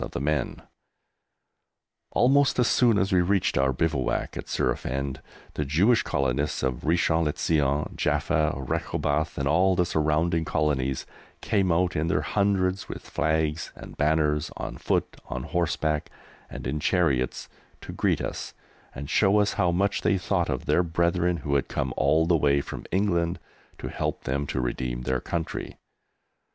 [Illustration: CHOIR OF THE JEWISH REGIMENT] Almost as soon as we reached our bivouac at Surafend the Jewish Colonists of Richon le Zion, Jaffa, Rechoboth and all the surrounding colonies came out in their hundreds with flags and banners, on foot, on horseback, and in chariots, to greet us, and show us how much they thought of their brethren who had come all the way from England to help them to redeem their country.